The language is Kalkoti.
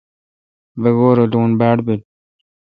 بگور اے لون باڑ بیل۔